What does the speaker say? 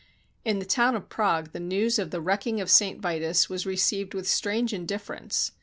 In the town of Prague the news of the wrecking of St. Vitus was received with strange indifference.